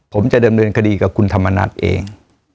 ผมจะดำเนินคดีกับคุณธรรมนัฐเอง